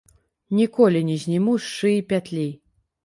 Ніколі не зніму з шыі пятлі.